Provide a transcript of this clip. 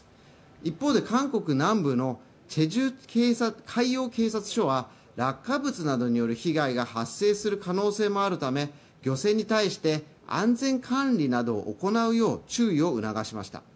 一方で韓国南部のチェジュ海洋警察隊は落下物などによる被害が発生する可能性もあるため、安全管理を行うよう注意を行いました。